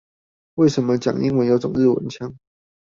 為什麼講英文有種日文腔